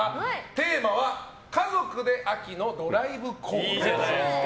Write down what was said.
テーマは家族で秋のドライブコーデ。